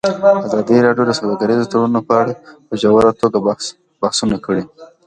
ازادي راډیو د سوداګریز تړونونه په اړه په ژوره توګه بحثونه کړي.